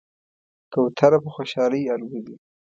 کوتره په خوشحالۍ الوزي.